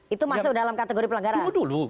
itu masuk dalam kategori pelanggaran dulu